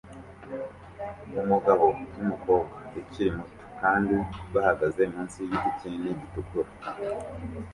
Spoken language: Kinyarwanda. Umugabo numukobwa ukiri muto kandi bahagaze munsi yigiti kinini gitukura